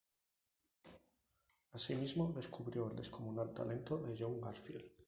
Asimismo, descubrió el descomunal talento de John Garfield.